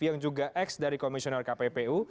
yang juga ex dari komisioner kppu